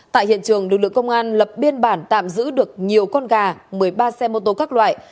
tại hiện trường lực lượng công an lập biên bản tạm giữ được nhiều con gà một mươi ba xe mô tô các loại